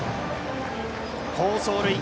好走塁！